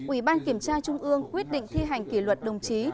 ủy ban kiểm tra trung ương quyết định thi hành kỷ luật đồng chí